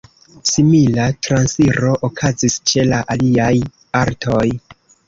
Simila transiro okazis ĉe la aliaj artoj.